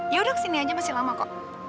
yaudah ke sini aja masih lama kok